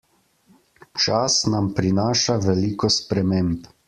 Čas nam prinaša veliko sprememb.